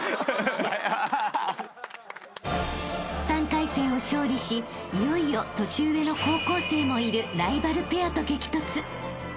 ［３回戦を勝利しいよいよ年上の高校生もいるライバルペアと激突］